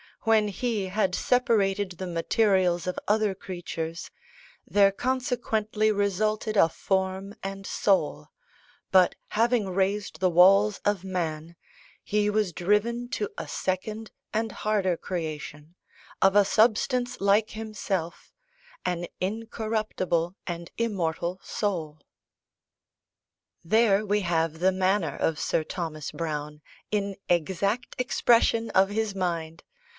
When He had separated the materials of other creatures, there consequently resulted a form and soul: but having raised the walls of man, He was driven to a second and harder creation of a substance like Himself, an incorruptible and immortal soul. There, we have the manner of Sir Thomas Browne, in exact expression of his mind!